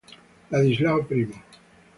Ladislao I